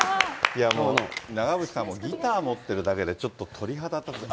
いやもう、長渕さん、ギター持ってるだけで、ちょっと鳥肌立って。